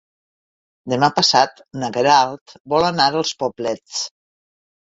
Demà passat na Queralt vol anar als Poblets.